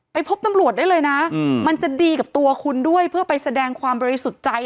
พบตำรวจได้เลยนะมันจะดีกับตัวคุณด้วยเพื่อไปแสดงความบริสุทธิ์ใจ